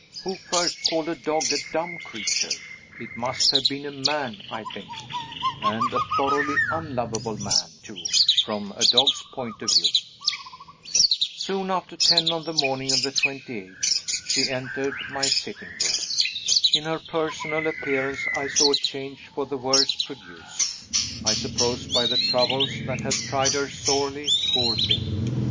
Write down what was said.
Who first called a dog a dumb creature? It must have been a man, I think and a thoroughly unlovable man, too, from a dog's point of view. Soon after ten, on the morning of the 28th, she entered my sitting room. In her personal appearance, I saw a change for the worse: produced, I suppose, by the troubles that have tried her sorely, poor thing.